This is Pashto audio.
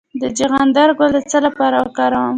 د چغندر ګل د څه لپاره وکاروم؟